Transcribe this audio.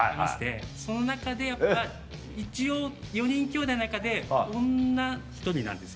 その中でやっぱ一応４人きょうだいの中で女１人なんです。